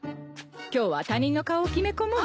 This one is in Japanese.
今日は他人の顔を決めこもう。